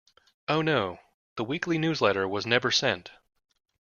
Oh no, the weekly newsletter was never sent!